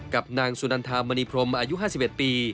กับนางสุนันทามณีพรมอายุ๕๑ปี